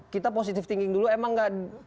kita positive thinking dulu emang gak